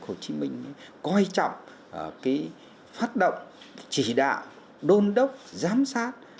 hồ chí minh coi trọng phát động chỉ đạo đôn đốc giám sát